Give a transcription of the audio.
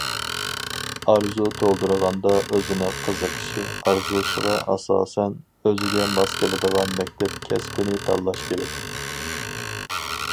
ئارزۇ تولدۇرغاندا ئۆزىنىڭ قىزىقىشى، ئارزۇسىغا ئاساسەن، ئۆزىگە ماس كېلىدىغان مەكتەپ، كەسىپنى تاللاش كېرەك.